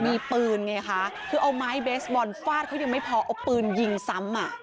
มีปืนไงคะคือเอาไม้เบสบอลฟาดเขายังไม่พอเอาปืนยิงซ้ำอ่ะ